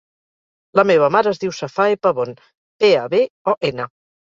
La meva mare es diu Safae Pabon: pe, a, be, o, ena.